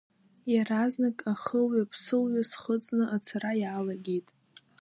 Иаразнак ахылҩаԥсылҩа схыҵны ацара иалагеит.